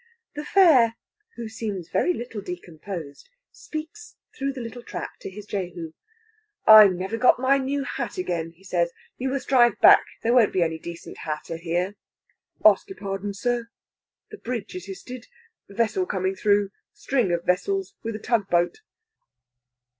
The fare, who seems very little discomposed, speaks through the little trap to his Jehu. "I never got my new hat again," he says. "You must drive back; there won't be any decent hatter here." "Ask your pardon, sir the Bridge is histed. Vessel coming through string of vessels with a tug boat."